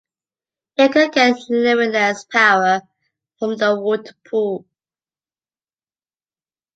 It could get limitless power from the water pool.